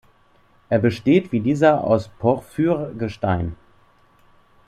Er besteht wie dieser aus Porphyr-Gestein.